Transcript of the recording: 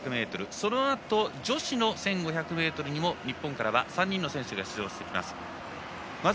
そのあと女子の１５００ｍにも日本からは３人の選手が出場してきます。